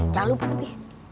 jangan lupa tapi